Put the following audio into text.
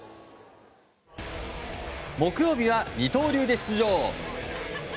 木曜日は二刀流で出場。